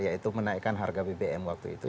yaitu menaikkan harga bbm waktu itu